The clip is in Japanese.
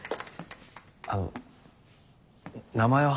あの名前は？